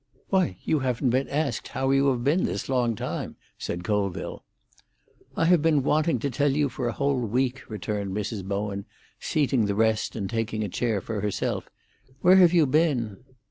"Why, you haven't been asked how you have been this long time," said Colville. "I have been wanting to tell you for a whole week," returned Mrs. Bowen, seating the rest and taking a chair for herself. "Where have you been?"